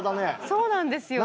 そうなんですよ。